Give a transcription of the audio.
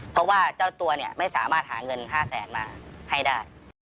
เพราะว่าเจ้าตัวเนี่ยไม่สามารถหาเงิน๕แสนมาให้ได้